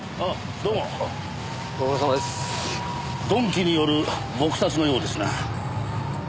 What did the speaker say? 鈍器による撲殺のようですな。